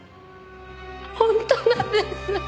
本当なんです。